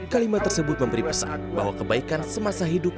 kalimat tersebut memberi pesan bahwa kebaikan semasa hidup